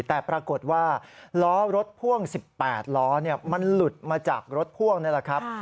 แต่ปรากฏว่าล้อรถพ่วง๑๘ล้อมันหลุดมาจากรถพ่วงนี่แหละครับ